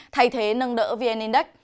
thay thế nâng đỡ vn index